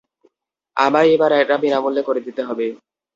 আমায় এবার এটা বিনামূল্যে দিতে হবে।